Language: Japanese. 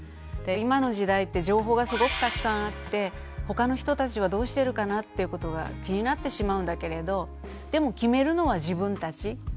今の時代って情報がすごくたくさんあって他の人たちはどうしてるかなっていうことが気になってしまうんだけれどでも決めるのは自分たち。